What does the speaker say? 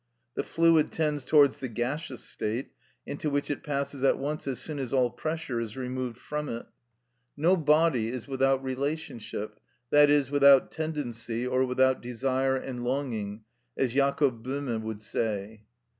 The fluid tends towards the gaseous state, into which it passes at once as soon as all pressure is removed from it. No body is without relationship, i.e., without tendency or without desire and longing, as Jacob Böhme would say.